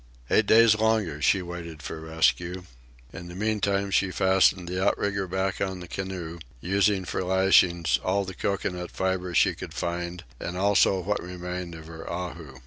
Eight days longer she waited for rescue. In the meantime she fastened the outrigger back on the canoe, using for lashings all the cocoanut fibre she could find, and also what remained of her ahu.